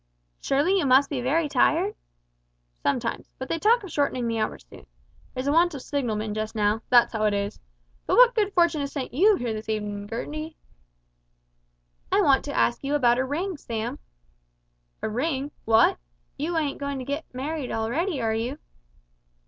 "Surely you must be very tired?" "Sometimes, but they talk of shortening the hours soon. There's a want of signalmen just now, that's how it is. But what good fortune has sent you here this evenin', Gertie?" "I want to ask you about a ring, Sam." "A ring! What! you ain't goin' to get married already, are you?"